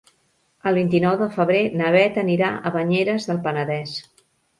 El vint-i-nou de febrer na Bet anirà a Banyeres del Penedès.